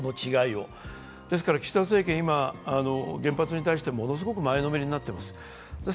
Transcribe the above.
岸田政権は原発に対してものすごく前のめりになっているんです。